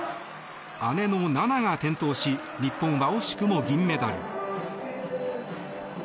姉の菜那が転倒し日本は惜しくも銀メダル。